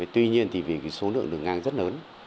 tuy nhiên thì vì số lượng đường ngang rất lớn